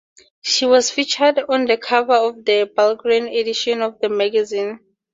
She was featured on the cover of the Bulgarian edition of the magazine.